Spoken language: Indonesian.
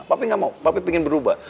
papi gak mau papi ingin berubah